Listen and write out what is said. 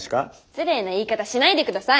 失礼な言い方しないでください。